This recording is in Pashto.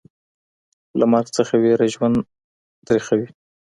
له مرګ څخه ویره ژوند تریخوي.